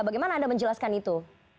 bagaimana anda menjelaskan itu